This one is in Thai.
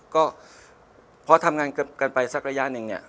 ก็พอทำงานกันไปสักระยะหนึ่งเนี่ย